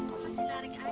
kok masih larik aja